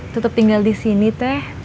tetep tinggal disini teh